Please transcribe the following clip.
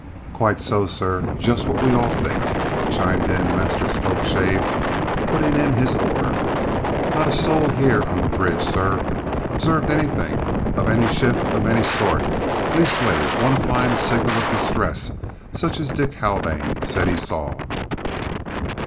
"Quite so, sir, just what we all think, sir," chimed in Master Spokeshave, putting in his oar. "Not a soul here on the bridge, sir, observed anything of any ship of any sort, leastways one flying a signal of distress, such as Dick Haldane said he saw."